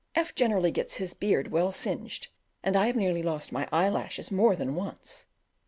F generally gets his beard well singed, and I have nearly lost my eyelashes more than once.